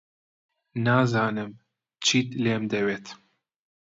نازانم چیت لێم دەوێت.